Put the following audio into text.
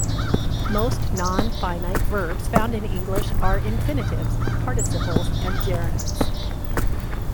Most nonfinite verbs found in English are infinitives, participles and gerunds.